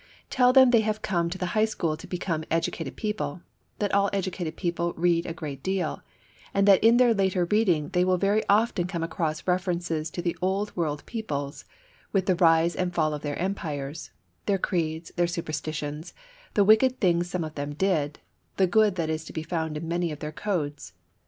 Tell them that they have come to the high school to become educated people; that all educated people read a great deal; that in their later reading they will very often come across references to the old world peoples; with the rise and fall of their empires; their creeds, their superstitions, the wicked things some of them did, the good that is to be found in many of their codes.